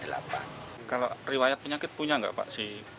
kalau riwayat penyakit punya nggak pak